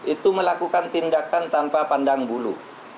itu melakukan tindakan tanpa pandang bulu